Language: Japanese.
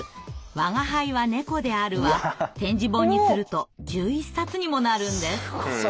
「吾輩は猫である」は点字本にすると１１冊にもなるんです。